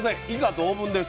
同文です。